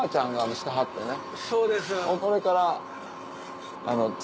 そうです。